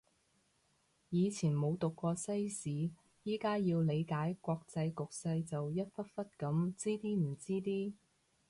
以前冇讀過西史，而家要理解國際局勢就一忽忽噉知啲唔知啲